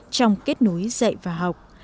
trong kết nối dạy và học